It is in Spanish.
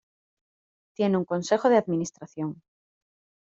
Tiene un consejo de administración.